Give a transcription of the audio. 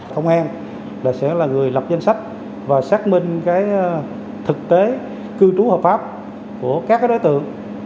công an sẽ là người lập danh sách và xác minh thực tế cư trú hợp pháp của các đối tượng